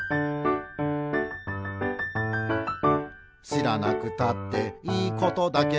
「しらなくたっていいことだけど」